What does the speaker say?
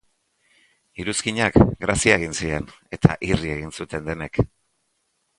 Iruzkinak grazia egin zien, eta irri egin zuten denek.